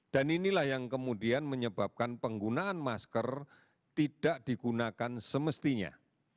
dan inilah yang kemudian menyebabkan penggunaan masker tidak digunakan semestinya